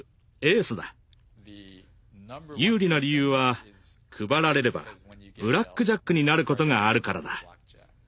有利な理由は配られればブラックジャックになることがあるからだ。